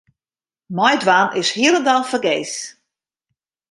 Meidwaan is hielendal fergees.